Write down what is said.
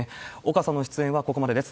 岡さんの出演はここまでです。